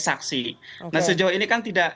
saksi nah sejauh ini kan tidak